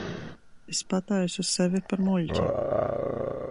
Es pataisu sevi par muļķi.